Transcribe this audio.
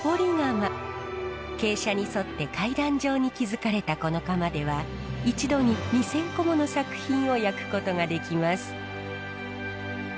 傾斜に沿って階段状に築かれたこの窯では一度に２，０００個もの作品を焼くことができます。